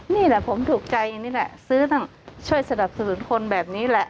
นี่แหละผมถูกใจนี่แหละซื้อทั้งช่วยสนับสนุนคนแบบนี้แหละ